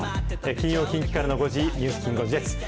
金曜、近畿からの５時、ニュースきん５時です。